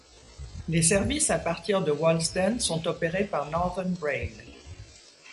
Les services à partir de Walsden sont opérés par Northern Rail.